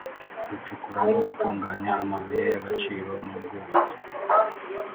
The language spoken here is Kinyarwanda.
gucukura no gutunganya amabuye y’agaciro n’ubwubatsi